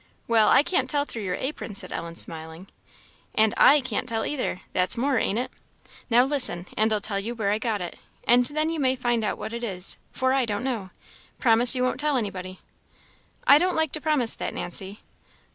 "Well, I can't tell through your apron," said Ellen, smiling. "And I can't tell either that's more, ain't it? Now listen, and I'll tell you where I got it, and then you may find out what it is, for I don't know. Promise you won't tell anybody." "I don't like to promise that, Nancy."